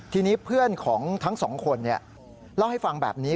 ทีนี้เพื่อนของทั้งสองคนเล่าให้ฟังแบบนี้